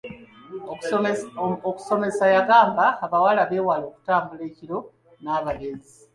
Okusomesa yagamba abawala beewale okutambula ekiro n'abalenzi.